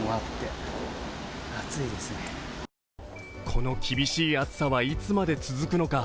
この厳しい暑さはいつまで続くのか。